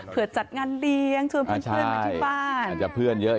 เพื่อจัดงานเลี้ยงชวนเพื่อนมาที่บ้านอาจจะเพื่อนเยอะ